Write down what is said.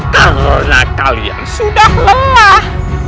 karena kalian sudah lelah